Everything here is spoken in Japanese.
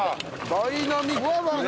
ダイナミックね。